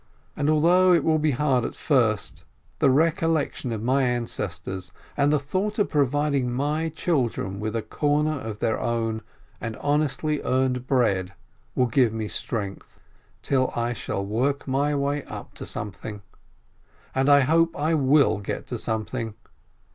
And although it will be hard at first, the recollection of my ancestors and the thought of providing my children with a corner of their own and honestly earned bread will give me strength, till I shall work my way up to something. And I hope I will get to something.